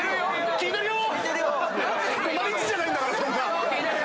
「聞いてるよー」